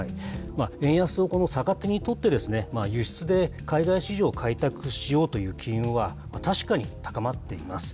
円安を逆手にとって、輸出で海外市場を開拓しようという機運は、確かに高まっています。